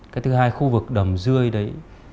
cái thứ hai khu vực đầm dươi đấy